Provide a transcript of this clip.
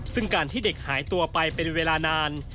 ซึ่งการที่เด็กหายตัวไปเป็นเวลานาน